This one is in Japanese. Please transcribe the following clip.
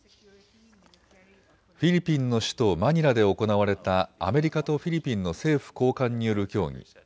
フィリピンの首都マニラで行われたアメリカとフィリピンの政府高官による協議。